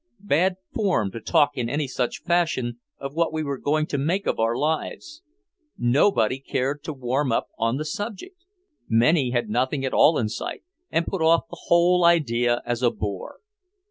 Bad form to talk in any such fashion of what we were going to make of our lives. Nobody cared to warm up on the subject. Many had nothing at all in sight and put off the whole idea as a bore.